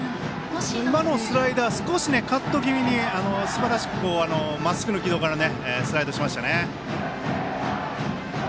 今のスライダー少しカット気味にすばらしく、まっすぐの軌道からスライドしましたね。